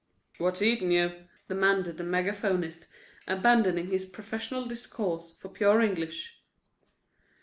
"What's eatin' you?" demanded the megaphonist, abandoning his professional discourse for pure English.